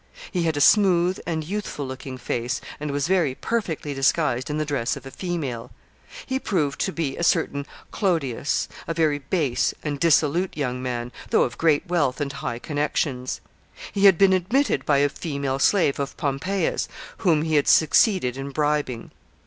He had a smooth and youthful looking face, and was very perfectly disguised in the dress of a female. He proved to be a certain Clodius, a very base and dissolute young man, though of great wealth and high connections. He had been admitted by a female slave of Pompeia's, whom he had succeeded in bribing.